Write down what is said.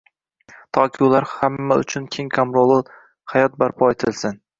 Toki ular hamma uchun keng qamrovl hayot barpo etilsin